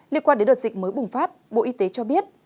liên quan đến đợt dịch mới bùng phát bộ y tế cho biết